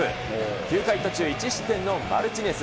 ９回途中１失点のマルティネス。